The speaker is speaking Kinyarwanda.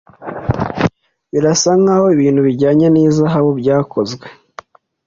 Birasa nkaho ibintu bijyanye nihazabu byakozwe.